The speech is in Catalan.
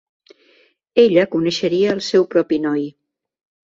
Ella coneixeria el seu propi noi.